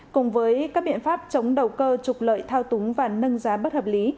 cùng với các biện pháp chống đầu cơ trục lợi thao túng và nâng giá bất hợp lý